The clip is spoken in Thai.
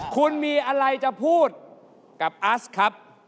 คุณมีอะไรจะพูดกับอัสครับ